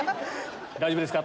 大丈夫ですか？